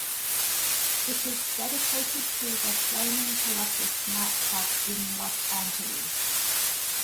It is dedicated to the Flaming Colossus nightclub in Los Angeles.